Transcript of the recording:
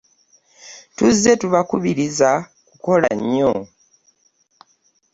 Tuzze tubakubiriza kukola nnyo.